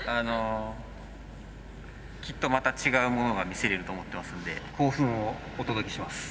きっとまた違うものが見せれると思ってますんで興奮をお届けします。